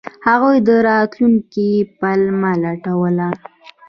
هغوی د راتلونکي پلمه لټوله.